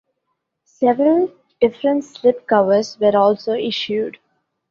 Several different slip covers were also issued.